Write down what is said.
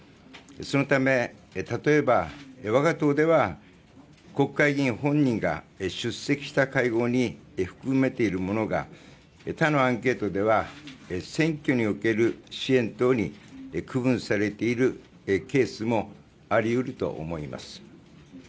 そのため、例えば我が党では、国会議員本人が出席した会合に含めているものが他のアンケートでは選挙における支援等に区分されているケースもあり得ると思います。